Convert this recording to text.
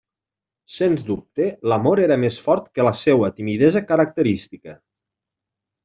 Sens dubte, l'amor era més fort que la seua timidesa característica.